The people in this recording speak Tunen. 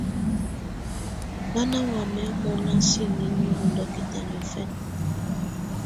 Bá ná wamɛ̀á mɔ́ná siǝ́niniǝ́ ú ndɔ̀kɛta niɔ̀fɛna.